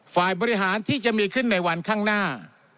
ฝ่ายบริหารที่จะมีขึ้นในวันข้างหน้า